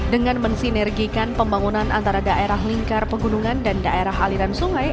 dengan mensinergikan pembangunan antara daerah lingkar pegunungan dan daerah aliran sungai